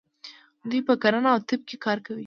دوی په کرنه او طب کې کار کوي.